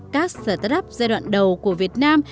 các startup giai đoạn đầu của việt nam